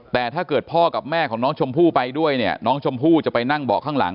แต่ถ้าเกิดพ่อกับแม่ของน้องชมพู่ไปด้วยเนี่ยน้องชมพู่จะไปนั่งเบาะข้างหลัง